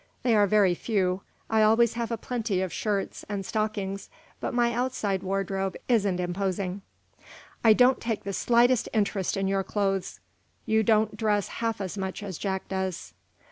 They are very few. I always have a plenty of shirts and stockings, but my outside wardrobe isn't imposing." "I don't take the slightest interest in your clothes. You don't dress half as much as Jack does."